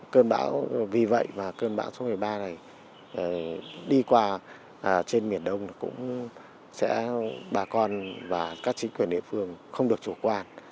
cơn bão vì vậy và cơn bão số một mươi ba này đi qua trên biển đông cũng sẽ bà con và các chính quyền địa phương không được chủ quan